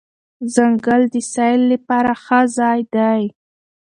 ځنګل د سیل لپاره ښه ځای دی.